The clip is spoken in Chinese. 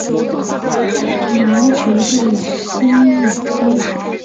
南直隶辛卯乡试。